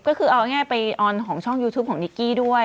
ก็คือเอาง่ายไปออนของช่องยูทูปของนิกกี้ด้วย